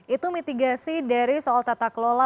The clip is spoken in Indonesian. itu mitigasi dari soal tata kelola